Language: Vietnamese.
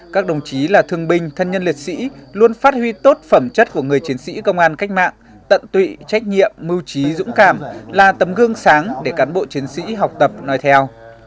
các đồng chí là thương binh thân nhân liệt sĩ luôn phát huy tốt phẩm chất của người chiến sĩ công an cách mạng tận tụy trách nhiệm mưu trí dũng cảm là tấm gương sáng để cán bộ chiến sĩ học tập nói theo